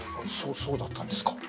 そうだったんですか。